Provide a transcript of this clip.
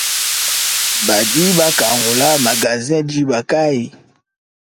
Badi bakangula magazen diba kayi ?